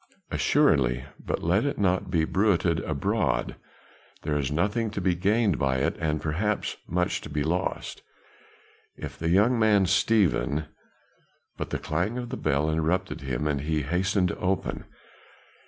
"Assuredly, but let it not be bruited abroad; there is nothing to be gained by it, and perhaps much to be lost. If the young man Stephen " but the clang of the bell interrupted him, and he hastened to open.